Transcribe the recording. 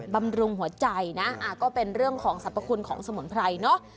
บำรุงหัวใจนะก็เป็นเรื่องของสรรพคุณของสมุนไพรเนอะ